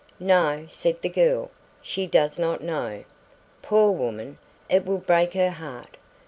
"No," said the girl, "she does not know. Poor woman, it will break her heart.